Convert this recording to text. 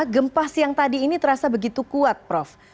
gempa siang tadi ini terasa begitu kuat prof